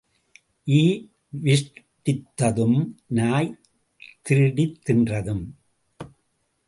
ஈ விஷ்டித்ததும் நாய் திருடித் தின்றதும்.